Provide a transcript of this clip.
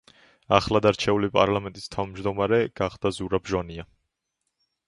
ახლადარჩეული პარლამენტის თავმჯდომარე გახდა ზურაბ ჟვანია.